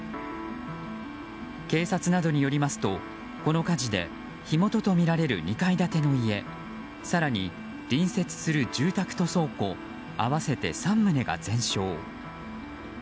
警察などによりますとこの火事で、火元とみられる２階建ての家更に隣接する住宅と倉庫合わせて３棟が全焼。